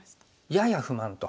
やや不満と。